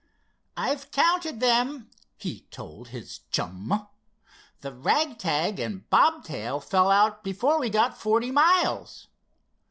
"I've counted them," he told his chum. "The ragtag and bobtail fell out before we got forty miles.